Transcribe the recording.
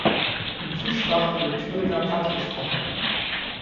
In Fischbach wird Thüringer Platt gesprochen.